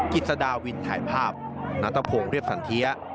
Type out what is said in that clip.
กิจสดาวินถ่ายภาพณตะพงศ์เรียบสันเทีย